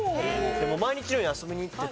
毎日のように遊びに行ってたので。